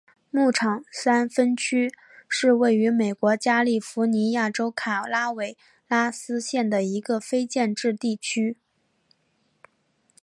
牧场山分区是位于美国加利福尼亚州卡拉韦拉斯县的一个非建制地区。